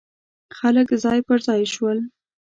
خلک ځای پر ځای شول.